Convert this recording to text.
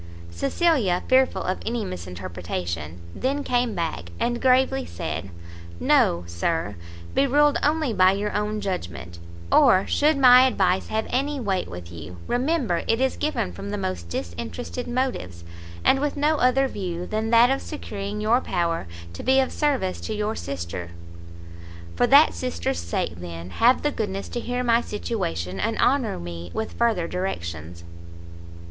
Cecilia, fearful of any misinterpretation, then came back, and gravely said, "No, Sir, be ruled only by your own judgment; or, should my advice have any weight with you, remember it is given from the most disinterested motives, and with no other view than that of securing your power to be of service to your sister." "For that sister's sake, then, have the goodness to hear my situation, and honour me with further directions."